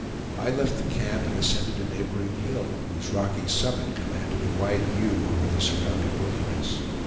I left the camp and ascended a neighboring hill, whose rocky summit commanded a wide view over the surrounding wilderness.